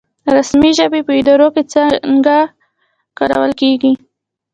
رسمي ژبې په اداره کې څنګه کارول کیږي؟